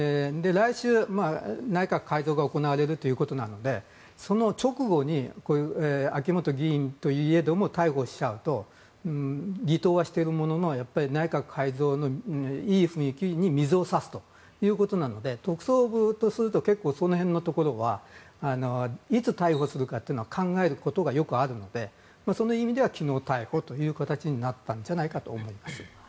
来週、内閣改造が行われるということなのでその直後に秋本議員といえども逮捕しちゃうと離党はしてるものの内閣改造のいい雰囲気に水を差すということなので特捜部とすると結構、その辺のところはいつ逮捕するかというのは考えることがよくあるのでその意味では昨日逮捕という形になったと思います。